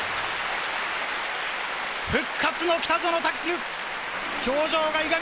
復活の北園丈琉！